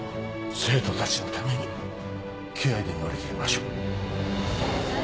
生徒たちのために気合で乗り切りましょう。